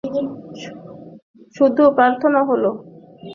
শুধু পার্থক্যটা হলো, এটার শুরু চুরি দিয়ে হয়েছে।